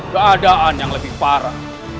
keadaan yang lebih parah